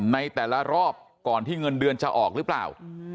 ในแต่ละรอบก่อนที่เงินเดือนจะออกหรือเปล่า